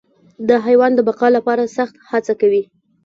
دا حیوان د بقا لپاره سخت هڅه کوي.